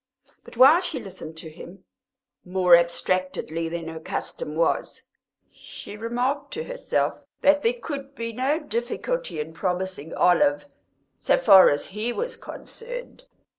But while she listened to him, more abstractedly than her custom was, she remarked to herself that there could be no difficulty in promising Olive so far as he was concerned.